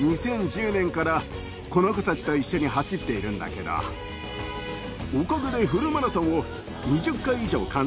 ２０１０年からこの子たちと一緒に走っているんだけどおかげでフルマラソンを２０回以上完走できたよ。